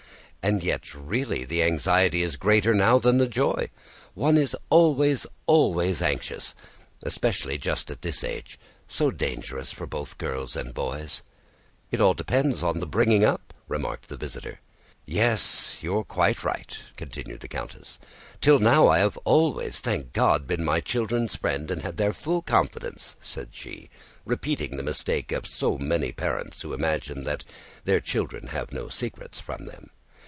And yet really the anxiety is greater now than the joy. One is always, always anxious! Especially just at this age, so dangerous both for girls and boys." "It all depends on the bringing up," remarked the visitor. "Yes, you're quite right," continued the countess. "Till now I have always, thank God, been my children's friend and had their full confidence," said she, repeating the mistake of so many parents who imagine that their children have no secrets from them.